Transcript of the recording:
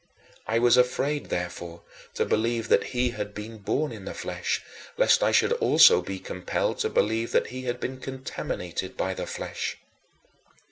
I was afraid, therefore, to believe that he had been born in the flesh, lest I should also be compelled to believe that he had been contaminated by the flesh.